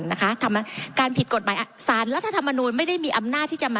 นะคะทำการผิดกฎหมายสารรัฐธรรมนูลไม่ได้มีอำนาจที่จะมา